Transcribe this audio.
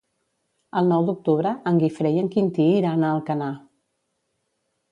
El nou d'octubre en Guifré i en Quintí iran a Alcanar.